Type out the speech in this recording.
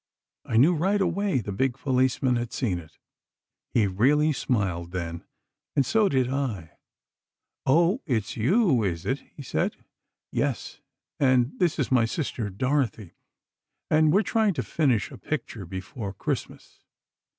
I knew right away the big policeman had seen it. He really smiled, then, and so did I. 'Oh, it's you, is it?' he said. 'Yes, and this is my sister, Dorothy, and we're trying to finish a picture before Christmas.